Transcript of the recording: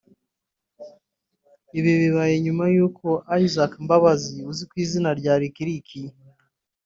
Ibi bibaye nyuma y’aho Isaac Mbabazi uzwi cyane ku izina rya LickLick